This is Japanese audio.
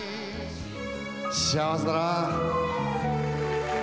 幸せだなぁ。